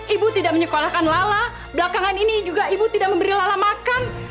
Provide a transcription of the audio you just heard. ibu tidak menyekolahkan lala belakangan ini juga ibu tidak memberi lala makan